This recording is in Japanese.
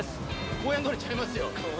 公園通りちゃいますよ。